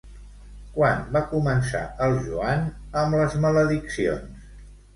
Quan va començar el Joan amb les malediccions?